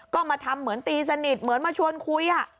ก็มาทำเหมือนตีสนิทเหมือนมาชวนคุย